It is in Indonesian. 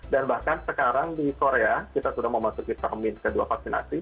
dan bahkan sekarang di korea kita sudah memasuki termin kedua vaksinasi